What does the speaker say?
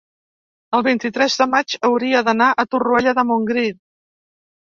el vint-i-tres de maig hauria d'anar a Torroella de Montgrí.